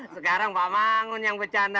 sekarang pak mangun yang bercanda